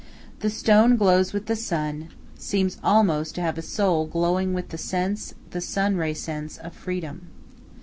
The stone glows with the sun, seems almost to have a soul glowing with the sense, the sun ray sense, of freedom.